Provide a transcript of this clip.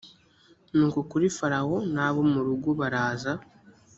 no kuri farawo n abo mu rugo baraza